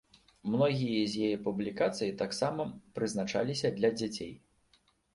Многія з яе публікацый таксама прызначаліся для дзяцей.